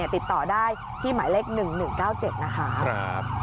ติดต่อได้ที่หมายเลข๑๑๙๗นะคะ